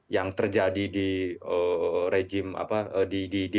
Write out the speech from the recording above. yang terjadi di prioritas